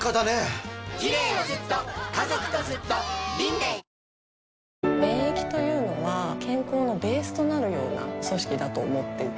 歩くのもちょっと支障がある免疫というのは健康のベースとなるような組織だと思っていて。